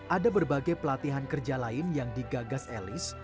ada berbagai pelatihan kerja lain yang digagas elis